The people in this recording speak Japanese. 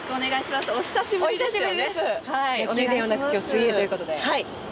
お久しぶりですもんね。